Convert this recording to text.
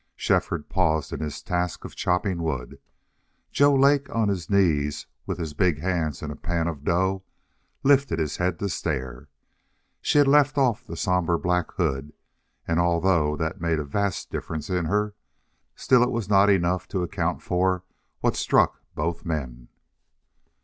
Shefford paused in his task of chopping wood. Joe Lake, on his knees, with his big hands in a pan of dough, lifted his head to stare. She had left off the somber black hood, and, although that made a vast difference in her, still it was not enough to account for what struck both men.